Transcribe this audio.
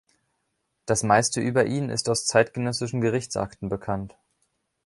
Das Meiste über ihn ist aus zeitgenössischen Gerichtsakten bekannt.